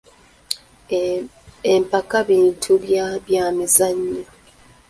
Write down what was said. Empaka bintu bya byamizannyo.